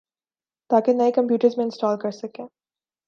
تاکہ نئی کمپیوٹرز میں انسٹال کر سکیں